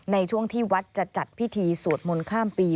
ในช่วงที่วัดจะจัดพิธีสวดมนต์ข้ามปี